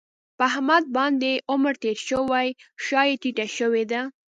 په احمد باندې عمر تېر شوی شا یې ټیټه شوې ده.